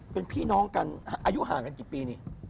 เป็นพี่น้องกันอายุห่างกันกี่ปีนี่